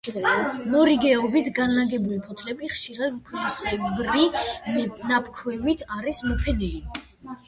მორიგეობით განლაგებული ფოთლები ხშირად ფქვილისებრი ნაფიფქით არის მოფენილი.